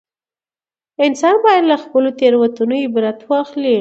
انسان باید له خپلو تېروتنو عبرت واخلي